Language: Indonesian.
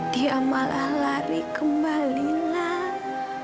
dia malah lari kembali nak